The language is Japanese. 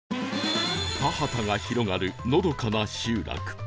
田畑が広がるのどかな集落